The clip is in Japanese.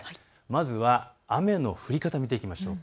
まずは雨の降り方、見ていきましょう。